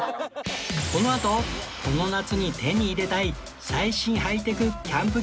このあとこの夏に手に入れたい最新ハイテクキャンプギア